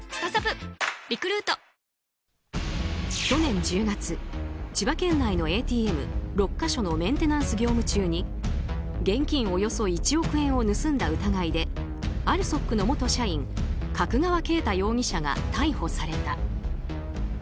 去年１０月千葉県内のＡＴＭ６か所のメンテナンス業務中に現金およそ１億円を盗んだ疑いでＡＬＳＯＫの元社員角川恵太容疑者が逮捕された。